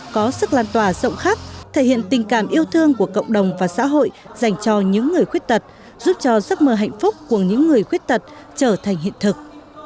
các làn tòa rộng khắc thể hiện tình cảm yêu thương của cộng đồng và xã hội dành cho những người khuyết tật giúp cho giấc mơ hạnh phúc của những người khuyết tật trở thành hiện thực